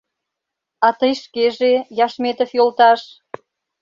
А тый шкеже, Яшметов йолташ?!